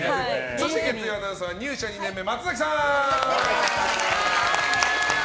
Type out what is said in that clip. そして月曜アナウンサーは入社２年目の松崎さん！